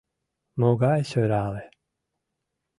Могай сӧрале!